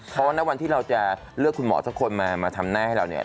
เพราะว่าณวันที่เราจะเลือกคุณหมอสักคนมาทำหน้าให้เราเนี่ย